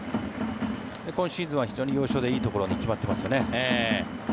今シーズンは非常に要所でいいところに決まってますよね。